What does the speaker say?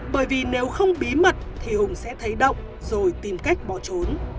bởi vì nếu không bí mật thì hùng sẽ thấy động rồi tìm cách bỏ trốn